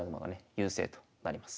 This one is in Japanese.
優勢となります。